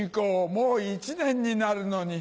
もう１年になるのに。